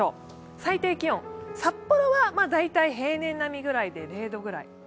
最低気温、札幌は大体、平年並みぐらいで０度ぐらい。